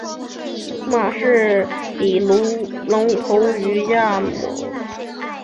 马氏蛰丽鱼是辐鳍鱼纲鲈形目隆头鱼亚目慈鲷科下的一种鱼。